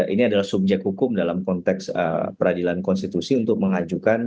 ini adalah subjek hukum dalam konteks peradilan konstitusi untuk mengajukan